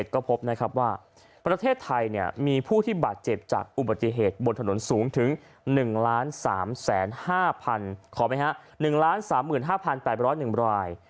ก็พบนะครับว่าประเทศไทยมีผู้ที่บาดเจ็บจากอุบัติเหตุบนถนนสูงถึง๑๓๕๐๐ขอไหมฮะ๑๓๕๘๐๑ราย